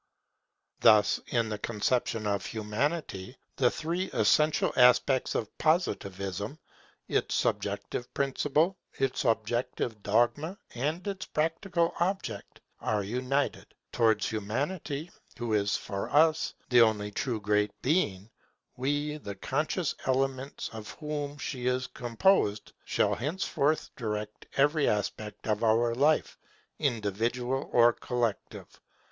Thus, in the conception of Humanity, the three essential aspects of Positivism, its subjective principle, its objective dogma, and its practical object, are united. Towards Humanity, who is for us the only true Great Being, we, the conscious elements of whom she is composed, shall henceforth direct every aspect of our life, individual or collective.